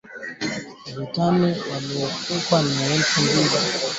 Vita vilianza mwaka elfu mbili na kumi na mbili na kuendelea